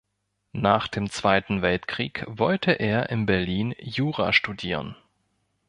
Nach dem Zweiten Weltkrieg wollte er in Berlin Jura studieren.